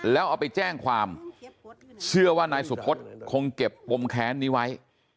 แล้วเอาไปแจ้งความเชื่อว่านายสุพธิ์คงเก็บปมแค้นนี้ไว้